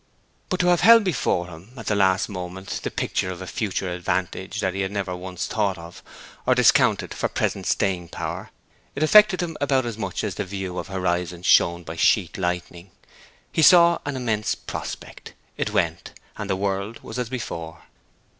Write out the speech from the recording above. But to have held before him, at the last moment, the picture of a future advantage that he had never once thought of, or discounted for present staying power, it affected him about as much as the view of horizons shown by sheet lightning. He saw an immense prospect; it went, and the world was as before.